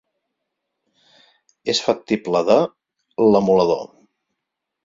És factible de, l'emulador.